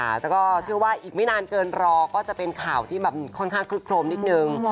แล้วก็เชื่อว่าอีกไม่นานเกินรอก็จะเป็นข่าวที่แบบค่อนข้างคลึกโครมนิดนึง